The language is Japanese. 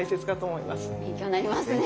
勉強になりますね。